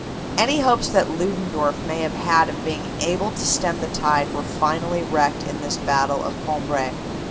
Any hopes that Ludendorff may have had of being able to stem the tide were finally wrecked in this battle of Cambrai.